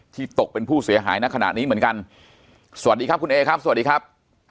ตกเป็นผู้เสียหายในขณะนี้เหมือนกันสวัสดีครับคุณเอครับสวัสดีครับ